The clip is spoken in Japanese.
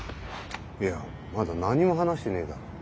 いやまだ何も話してねえだろ。